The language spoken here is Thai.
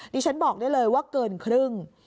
ดิฉันบอกได้เลยว่าเกินครึ่ง